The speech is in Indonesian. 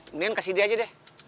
mendingan kasihin dia aja deh